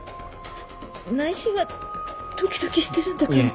内心はドキドキしてるんだから。